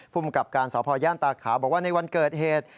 ผู้บังกลับการศาสตร์ภาย่านตาขาวบอกว่าในวันเกิดเหตุ